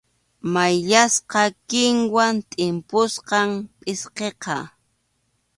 Mayllasqa kinwa tʼimpusqam pʼsqiqa.